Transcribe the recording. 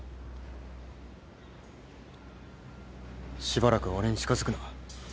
しばらく俺に近づくな。